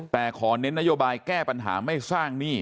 แต่ขอเน้นนโยบายแก้ปัญหาไม่สร้างหนี้